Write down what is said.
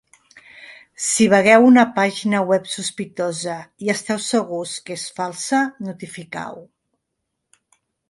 Si vegeu una pàgina web sospitosa i esteu segurs que és falsa, notificau-ho.